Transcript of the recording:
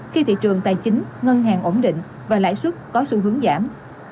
khi thị trường tài chính ngân hàng ổn định và lãi xuất có sự hướng giảm